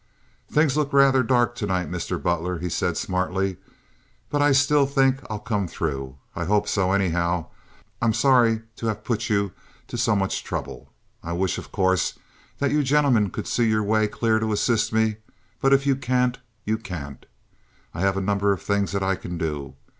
"Things look rather dark to night, Mr. Butler," he said, smartly, "but I still think I'll come through. I hope so, anyhow. I'm sorry to have put you to so much trouble. I wish, of course, that you gentlemen could see your way clear to assist me, but if you can't, you can't. I have a number of things that I can do.